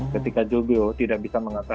ketika jojo tidak bisa mengakses